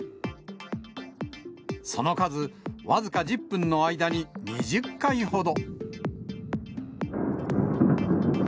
その数、僅か１０分の間に２０回ほど。